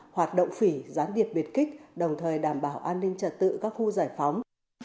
hoạt động phỉ gián điệp biệt kích đồng thời đảm bảo an ninh trật tự các khu giải phóng